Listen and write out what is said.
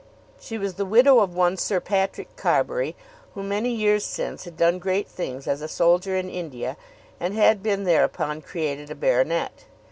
She was the widow of one Sir Patrick Carbury, who many years since had done great things as a soldier in India, and had been thereupon created a baronet.